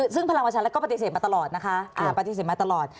ซึ่งพลังประชารัฐก็ปฏิเสธมาตลอดนะคะปฏิเสธมาตลอด